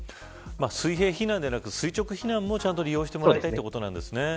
水平非難ではなく垂直避難も利用してもらいたいということなんですね。